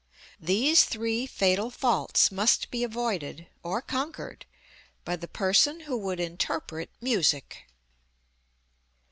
These three fatal faults must be avoided, or conquered, by the person who would interpret music.